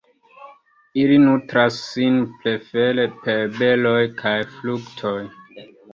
Ili nutras sin prefere per beroj kaj fruktoj.